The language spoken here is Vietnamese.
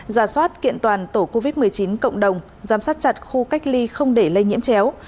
giả soát kiện toàn tổ covid một mươi chín cộng đồng giám sát chặt khu cách ly không để lây nhiễm chéo